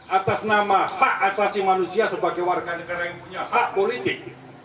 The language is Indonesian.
atas nama hak asasi manusia sebagai warga negara yang punya hak politik